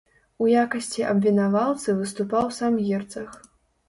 У якасці абвінаваўцы выступаў сам герцаг.